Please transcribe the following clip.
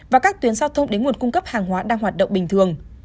và các tuyến giao thông đến nguồn cung cấp hàng hóa đang hoạt động bình thường